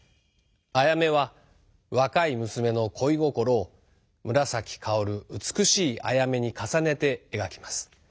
「あやめ」は若い娘の恋心を紫かおる美しいアヤメに重ねて描きます。